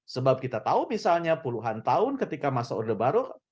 sebab kita tahu misalnya puluhan tahun ketika masa orde baru